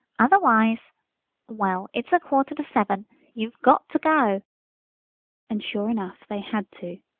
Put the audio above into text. Otherwise—well, it's a quarter to seven—you've got to go." And, sure enough, they had to.